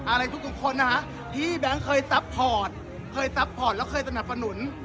อะไรทุกคนนะฮะที่แบงค์เคยซัพพอร์ตเคยซัพพอร์ตแล้วเคยสนับสนุน